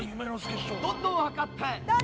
どんどん量って！